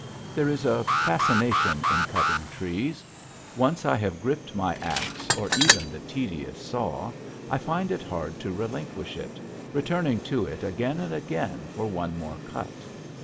There is a fascination in cutting trees. Once I have gripped my axe, or even the tedious saw, I find it hard to relinquish it, returning to it again and again for one more cut.